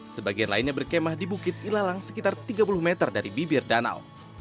sebagian lainnya berkemah di bukit ilalang sekitar tiga puluh meter dari bibir danau